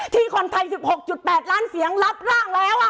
ที่คนไทย๑๖๘ล้านเสียงรับร่างแล้ว